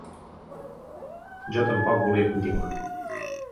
Jo tampoc volia continuar.